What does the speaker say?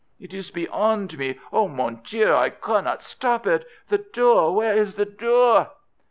"It is beyond me. Oh, mon Dieu, I cannot stop it. The door! Where is the door?"